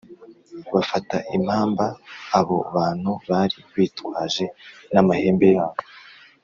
Bafata impamba abo bantu bari bitwaje n amahembe yabo